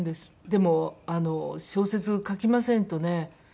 でも小説書きませんとね